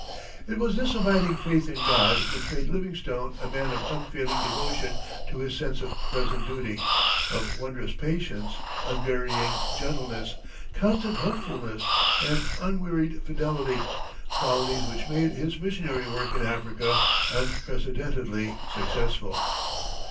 It was this abiding faith in God which made Livingstone a man of unfailing devotion to his sense of present duty, of wondrous patience, unvarying gentleness, constant hopefulness, and unwearied fidelity qualities which made his missionary work in Africa unprecedentedly successful.